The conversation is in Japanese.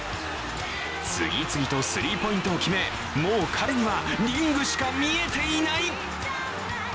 次々とスリーポイントを決め、もう彼にはリングしか見えていない。